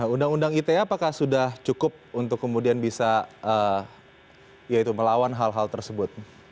undang undang ite apakah sudah cukup untuk kemudian bisa melawan hal hal tersebut